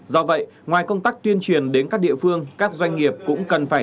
do vậy ngoài công tác tuyên truyền đến các doanh nghiệp vận tải